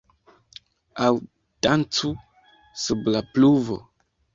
Aŭ dancu sub la pluvo!